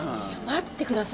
待ってください。